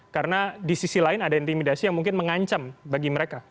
karena di sisi lain ada intimidasi yang mungkin mengancam bagi mereka